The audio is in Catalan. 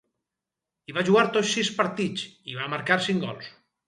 Hi va jugar tots sis partits, i va marcar cinc gols.